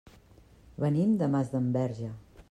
Venim de Masdenverge.